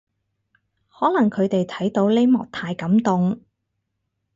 可能佢哋睇到呢幕太感動